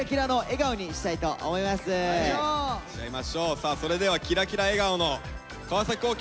さあそれではキラキラ笑顔の川皇輝。